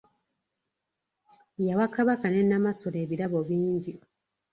Yawa Kabaka ne Nnamasole ebirabo bingi.